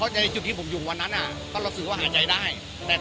จุดที่ผมอยู่วันนั้นก็รู้สึกว่าเราขยายใจด้าย